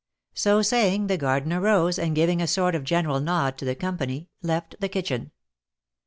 So saying, the gardener rose, and giving a sort of general nod to the company, left the kitchen.